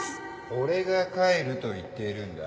俺が帰ると言っているんだ。